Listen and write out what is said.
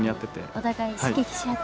お互い刺激し合って。